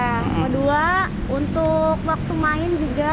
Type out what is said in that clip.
yang kedua untuk waktu main juga